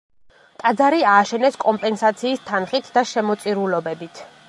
ტაძარი ააშენეს კომპენსაციის თანხით და შემოწირულობებით.